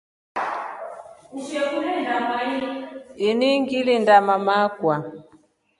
Ini ngilinda mama akwa.